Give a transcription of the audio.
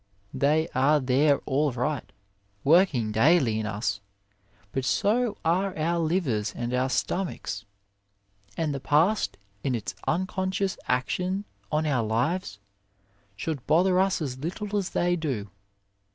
They are there all right, working daily in us, but so are our livers and our stomachs. And the past, in its unconscious action on our lives, should bother us as little as they do.